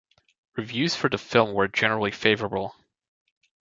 Reviews for the film were generally favourable.